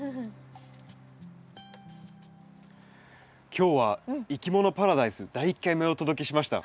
今日は「いきものパラダイス」第１回目をお届けしました。